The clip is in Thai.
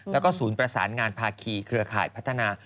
แล้วก็ศูนย์ประสานงานภาคีเครือข่ายพัฒนา